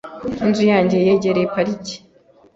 Inzu yanjye yegereye parike .